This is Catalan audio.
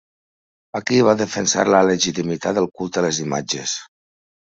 Aquí va defensar la legitimitat del culte a les imatges.